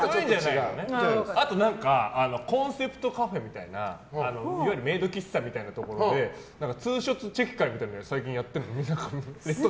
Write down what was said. あとコンセプトカフェみたいないわゆるメイド喫茶みたいなところでツーショットチェキ会みたいなのやっている。